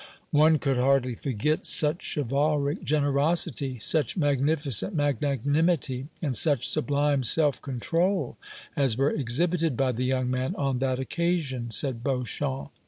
"One could hardly forget such chivalric generosity, such magnificent magnanimity and such sublime self control as were exhibited by the young man on that occasion!" said Beauchamp.